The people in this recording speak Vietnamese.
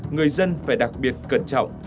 người dân phải đặc biệt cẩn trọng